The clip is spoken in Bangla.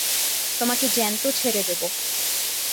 তোমাকে জ্যান্ত ছেড়ে দেব।